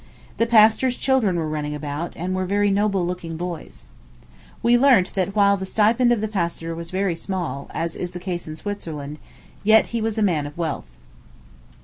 The pastor's children were running about, and were very noble looking boys. We learnt that while the stipend of the pastor was very small, as is the case in Switzerland, yet he was a man of wealth.